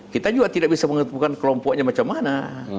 kita juga tidak bisa menentukan kelompoknya macam mana